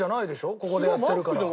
ここでやってるから。